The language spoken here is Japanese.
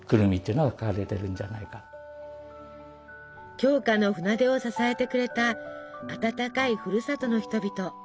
鏡花の船出を支えてくれた温かいふるさとの人々。